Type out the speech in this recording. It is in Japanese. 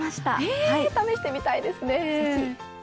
試してみたいですね。